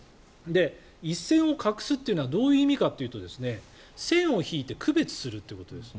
一線を画すってのはどういう意味かというと線を引いて区別するってことです。